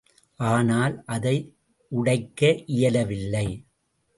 ஆனால், அதை உடைக்க இயலவில்லை.